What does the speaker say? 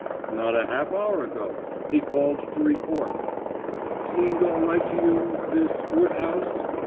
"Not a half hour ago. He called to report." "Seemed all right to you this Woodhouse?"